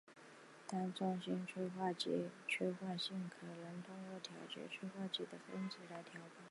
单中心催化剂的催化性能可通过调节催化剂的分子结构来调控。